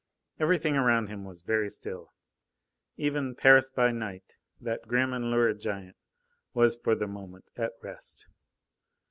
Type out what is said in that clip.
Everything around him was very still. Even "Paris by Night," that grim and lurid giant, was for the moment at rest.